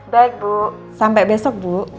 baik ibu sampai besok ibu